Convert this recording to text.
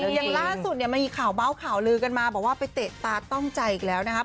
อย่างล่าสุดเนี่ยมันมีข่าวเบาข่าวลือกันมาบอกว่าไปเตะตาต้องใจอีกแล้วนะครับ